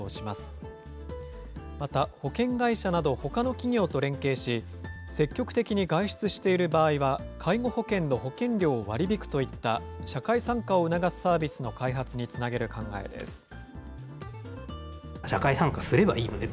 また保険会社などほかの企業と連携し、積極的に外出している場合は、介護保険の保険料を割り引くといった社会参加を促すサービスの開発につなげる考えです。